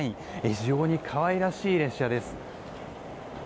非常に可愛らしい列車です。